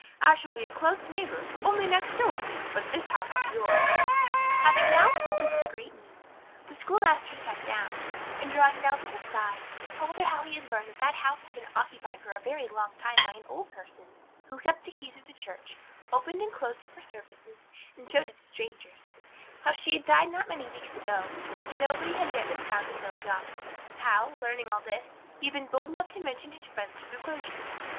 I shall be a close neighbour—only next door; but this house is yours." Having now told his great news, the schoolmaster sat down, and drawing Nell to his side, told her how he had learned that that house had been occupied for a very long time by an old person, who kept the keys of the church, opened and closed it for the services, and showed it to strangers; how she had died not many weeks ago, and nobody had yet been found to fill the office; how, learning all this, he had been bold enough to mention his friends to the clergyman.